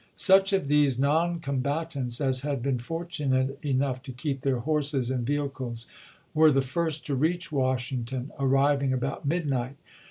Such of these non combatants as had been fortunate enough to keep their horses and BULL EUN 355 vehicles were tlie first to reach Washington, arriv chap. xx. ing about midnight.